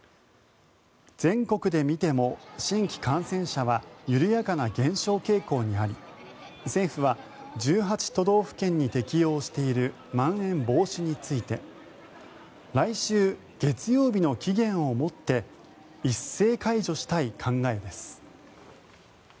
全国で見ても新規感染者は緩やかな減少傾向にあり政府は１８都道府県に適用しているまん延防止について来週月曜日の期限をもって一斉解除したい考えです。